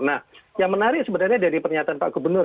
nah yang menarik sebenarnya dari pernyataan pak gubernur